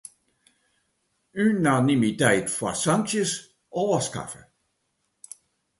Unanimiteit foar sanksjes ôfskaffe.